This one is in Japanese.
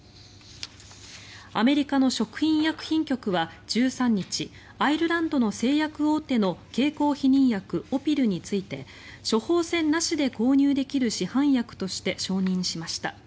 アメリカの食品医薬品局は１３日アイルランドの製薬大手の経口避妊薬、オピルについて処方せんなしで購入できる市販薬として承認しました。